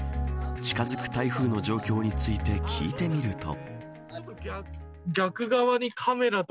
近づく台風の状況について聞いてみると。